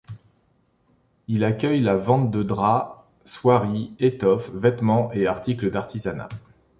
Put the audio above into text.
Il accueille la vente de draps, soieries, étoffes, vêtements et articles d'artisanat.